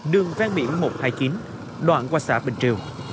đường ven biển một trăm hai mươi chín đoạn qua xã bình triều